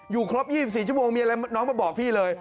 ครบ๒๔ชั่วโมงมีอะไรน้องมาบอกพี่เลย